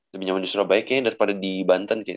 lebih nyaman di surabaya kayaknya daripada di banten kayak